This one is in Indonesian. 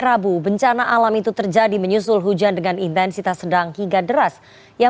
rabu bencana alam itu terjadi menyusul hujan dengan intensitas sedang hingga deras yang